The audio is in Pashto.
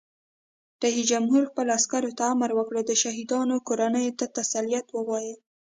رئیس جمهور خپلو عسکرو ته امر وکړ؛ د شهیدانو کورنیو ته تسلیت ووایئ!